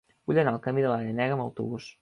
Vull anar al camí de la Llenega amb autobús.